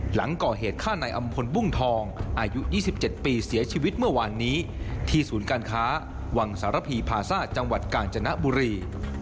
หลังก่อเหตุฆ่านายอำพลบุ้งทองอายุ๒๗ปีเสียชีวิตเมื่อวานนี้ที่ศูนย์การค้าวังสารพีพาซ่าจังหวัดกาญจนบุรี